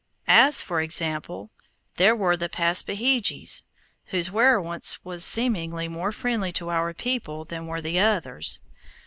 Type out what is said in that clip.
As, for example, there were the Paspaheghes, whose werowance was seemingly more friendly to our people than were the others.